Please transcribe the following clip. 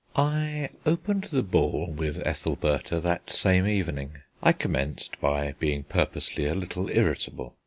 I opened the ball with Ethelbertha that same evening. I commenced by being purposely a little irritable.